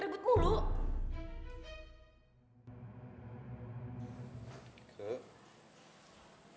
apakah time adventure